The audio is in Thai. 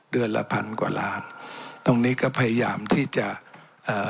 เดือนละพันกว่าล้านตรงนี้ก็พยายามที่จะเอ่อ